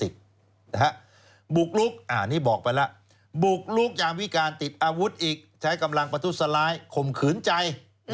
บุกลุกอันนี้บอกไปแล้วบุกลุกยามวิการติดอาวุธอีกใช้กำลังประทุษร้ายข่มขืนใจ